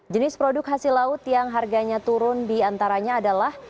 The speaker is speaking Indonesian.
jenis produk hasil laut yang harganya turun diantaranya adalah